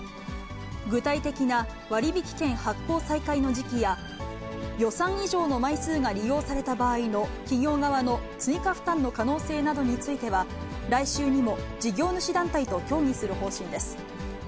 具体的な割引券発行再開の時期や、予算以上の枚数が利用された場合の企業側の追加負担の可能性などについては、来週にも事業主団体と協議する方針です。